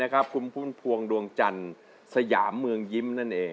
คุณพุนโพวงดวงจันทร์สยามเมืองยิม